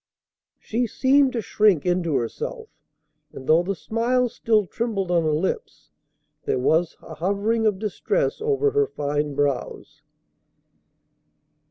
She seemed to shrink into herself; and, though the smile still trembled on her lips, there was a hovering of distress over her fine brows.